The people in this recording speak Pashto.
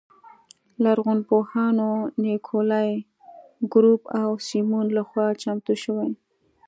لرغونپوهانو نیکولای ګروب او سیمون لخوا چمتو شوې.